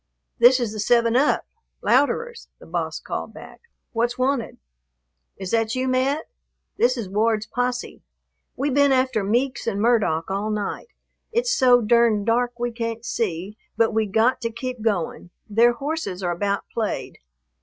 "This is the 7 Up, Louderer's," the boss called back; "what's wanted?" "Is that you, Mat? This is Ward's posse. We been after Meeks and Murdock all night. It's so durned dark we can't see, but we got to keep going; their horses are about played.